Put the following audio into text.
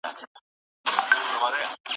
دولت به د داخلي صنعت پوره او بشپړ ملاتړ وکړي.